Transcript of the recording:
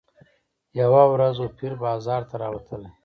یوه ورځ وو پیر بازار ته راوتلی